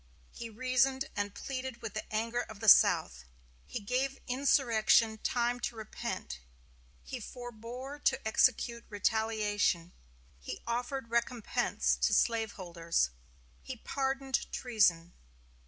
He reasoned and pleaded with the anger of the South; he gave insurrection time to repent; he forbore to execute retaliation; he offered recompense to slaveholders; he pardoned treason.